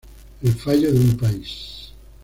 El fallo de un país"".